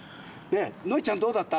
のいちゃんどうだった？